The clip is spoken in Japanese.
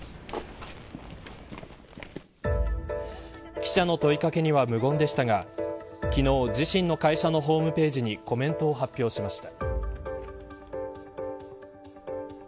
記者の問い掛けには無言でしたが昨日自身の会社のホームページにコメントを発表しました。